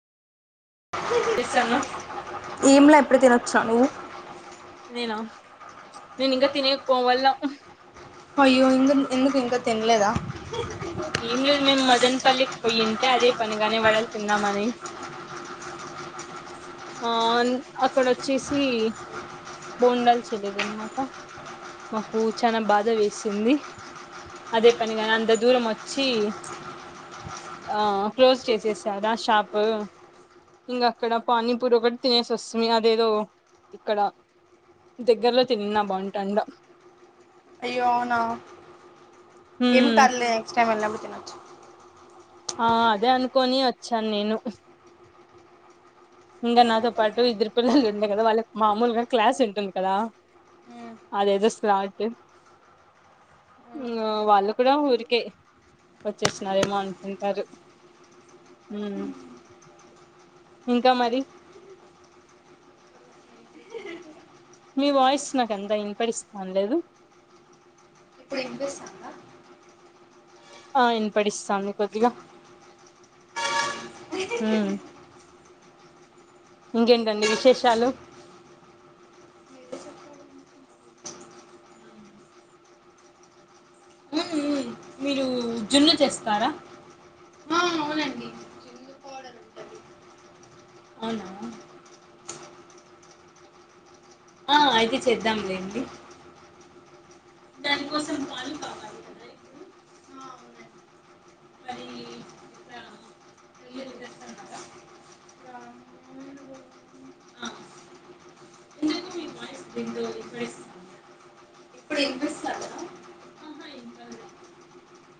చేస్తాన్నావ్ ఏమిలా ఇప్పుడు తినొచ్చా నువ్ నేనా నేను ఇంగ తినేకి పోవల అయ్యో ఇందున్ ఎందుకు ఇంకా తినలేదా ఏం లేదు మేము మదనపల్లికి పొయింటే అదే పనిగానే వడలు తిందామని ఆన్ అక్కడ వచ్చేసి బోండాల్ చేయలేదు అన్నమా మాకు చానా బాధ వేసింది అదే పనిగాని అంత దూరం వ చి ఆ క్లోజ్ చేసేసారా షాప్ ఇంగ అక్కడ పానీపూరొకటి తినేసొస్మి అదేదో ఇక్కడ దగ్గరలో తిన్నా బాగుంటాండ ఏమి ఉమ్ కర్లే నెక్స్ట్ టైమ్ ఎల్లినప్పు తినొచ్చు ఆ అదే అనుకోని వచ్చాను నేను ఇంగ నాతో పాటు ఇద్దరు పిల్లలు ఉండే కదా వాళ్ళకి మామూలుగా క్లాస్ ఉంటుంది కదా అదేదో స్లాట్ వాళ్ళు కూడా ఊరికే వచ్చేస్తున్నారేమో అనుకుంటారు మ్మ్ ఇంకా మరి మీ వాయిస్ నాకంత వినపడిస్తాను లేదు ఇప్పుడు ఇన్పిస్తాందా ఆ ఇన్పడిస్తాంది కొద్దిగా ఇంకేంటండి విశేషాలు మీరు జున్ను చేస్తారా పౌడర్ ఉంటుంది అవునా ఆ అయితే చేద్దాంలేండి దానికోసం పాలు కావాలి కదా ఇప్పుడు ఆ, అవునండి. మరి ఇట్లా ఇల్లు దిగేస్తున్నారా ఇట్లా మూడు పోతుంది. ఆ. ఎందుకు మీ వాయిస్ విండో ఇప్పుడే ఇప్పుడు వినిపిస్తుందా ఆహా ఇంకా లేదు.